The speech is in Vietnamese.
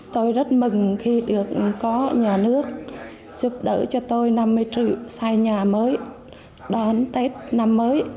tôi rất mừng khi được có nhà nước giúp đỡ cho tôi năm mươi triệu xây nhà mới đón tết năm mới